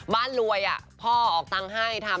บ้านรวยพ่อออกตังค์ให้ทำ